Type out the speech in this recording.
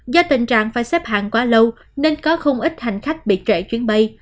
do tình trạng phải xếp hàng quá lâu nên có không ít hành khách bị trễ chuyến bay